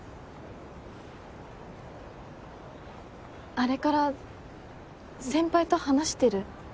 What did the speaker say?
あれから先輩と話してる？